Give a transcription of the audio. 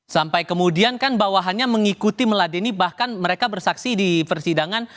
sampai kemudian kan bawahannya mengikuti meladeni bahkan mereka bersaksi di persidangan